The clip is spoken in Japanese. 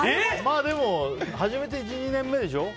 でも始めて１２年目でしょ。